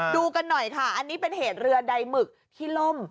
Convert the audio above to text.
ดูกันหน่อยค่ะอันนี้เป็นเหตุเรือใดหมึกที่ล่ม